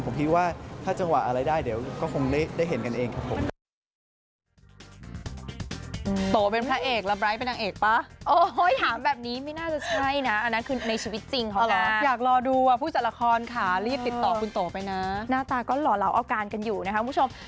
ผมคิดว่าถ้าจังหวะอะไรได้เดี๋ยวก็คงได้เห็นกันเองครับผม